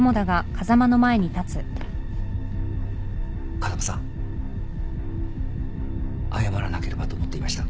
風間さん謝らなければと思っていました。